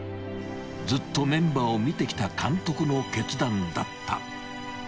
［ずっとメンバーを見てきた監督の決断だった］